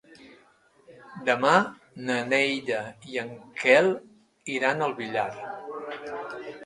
Demà na Neida i en Quel iran al Villar.